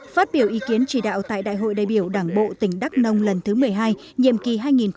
phát biểu ý kiến chỉ đạo tại đại hội đại biểu đảng bộ tỉnh đắk nông lần thứ một mươi hai nhiệm kỳ hai nghìn hai mươi hai nghìn hai mươi năm